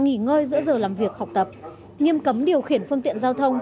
nghỉ ngơi giữa giờ làm việc học tập nghiêm cấm điều khiển phương tiện giao thông